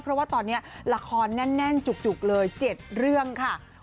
เพราะว่าตอนนี้ละครแน่นจุกเลย๗เรื่องค่ะ